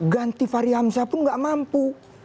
ganti fahri hamzah pun nggak mampu